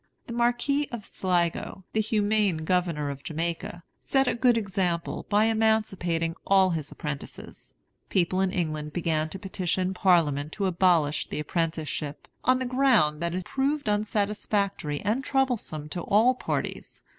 The Marquis of Sligo, the humane Governor of Jamaica, set a good example by emancipating all his apprentices. People in England began to petition Parliament to abolish the apprenticeship, on the ground that it proved unsatisfactory and troublesome to all parties.